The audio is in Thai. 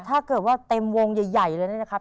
ถ้าเกิดว่าเต็มวงใหญ่เลยนี่นะครับ